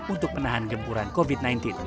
untuk menahan gempuran covid sembilan belas